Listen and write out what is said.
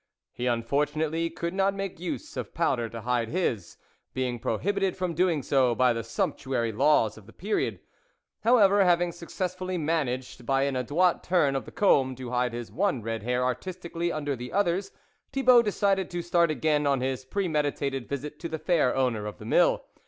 He, unfortunately, could not make use of powder to hide his, being prohibited from doing so by the sumptuary laws of the period. However, having successfully managed, by an adroit turn of the comb, to hide his one red hair artistically under the others, Thibault decided to start again on his pre meditated visit to the fair owner of the mill.